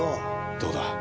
どうだ？